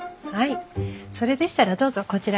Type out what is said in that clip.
それでしたらどうぞこちらから。